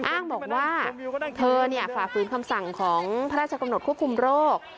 อ้างบอกว่าเธอฝ่าฝืนคำสั่งของพระราชกำหนดควบคุมโรค